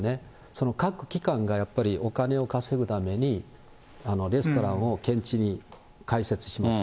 その各機関がやっぱり、お金を稼ぐために、レストランを現地に開設します。